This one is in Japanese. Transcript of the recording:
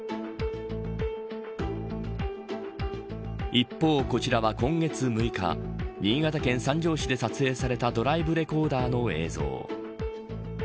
一方、こちらは今月６日新潟県三条市で撮影されたドライブレコーダーの映像。